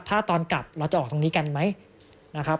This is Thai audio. ถ้าตอนกลับเราจะออกตรงนี้กันไหมนะครับ